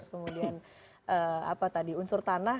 kemudian unsur tanah